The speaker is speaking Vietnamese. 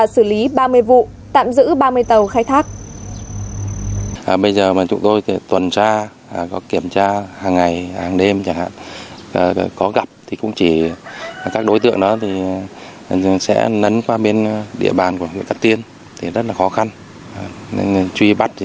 xử lý ba mươi vụ tạm giữ ba mươi tàu khai thác